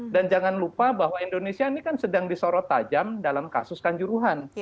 dan jangan lupa bahwa indonesia ini kan sedang disorot tajam dalam kasus kanjuruhan